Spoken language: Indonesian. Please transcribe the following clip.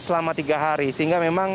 selama tiga hari sehingga memang